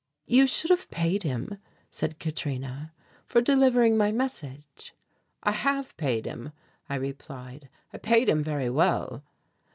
"You should have paid him," said Katrina, "for delivering my message." "I have paid him," I replied. "I paid him very well."